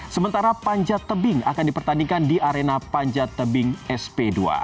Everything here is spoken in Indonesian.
sementara panjat tebing akan dipertandingkan di arena panjat tebing sp dua